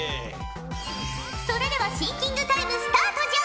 それではシンキングタイムスタートじゃ。